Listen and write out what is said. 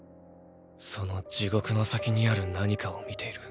その地獄の先にある「何か」を見ている。